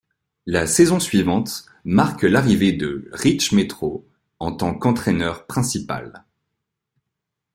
La saison suivante marque l'arrivée de Rich Metro en tant qu'entraîneur principal.